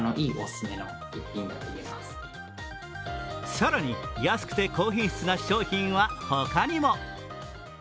更に安くて高品質な商品はほかにも。